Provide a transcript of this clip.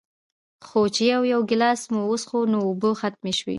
خو چې يو يو ګلاس مو وڅښو نو اوبۀ ختمې شوې